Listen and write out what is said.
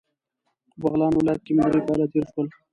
په بغلان ولایت کې مې درې کاله تیر شول.